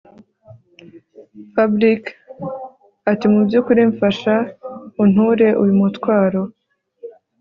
Fabric atimubyukuri mfasha unture uyu mutwaro